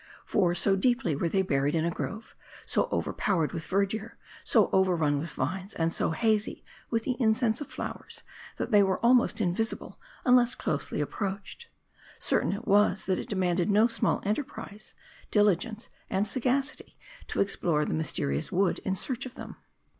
For, so deeply were they buried in a grove ; so overpowered with verdure ; so overrun with vines ; and so hazy with the incense of flowers ; that they were almost invisible, unless closely approached. Certain it was, that it demanded no small enterprise, diligence, and sagacity, to explore the mysterious wood in search of them.